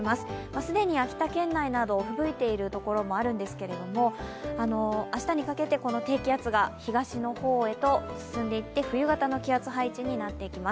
既に秋田県内などは吹雪いているところはあるんですが明日にかけてこの低気圧が東の方へと進んでいって冬型の気圧配置になっていきます。